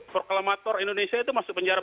proklamator indonesia itu masuk penjara